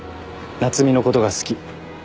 夏海のことが好き。